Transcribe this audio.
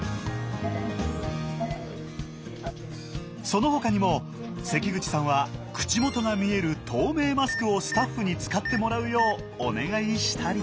そのほかにも関口さんは口元が見える透明マスクをスタッフに使ってもらうようお願いしたり。